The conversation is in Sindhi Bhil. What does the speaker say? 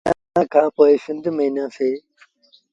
ڪجھ ڏيٚݩهآݩ کآݩ پو سنڌ ميݩآيآ سيٚݩ ۔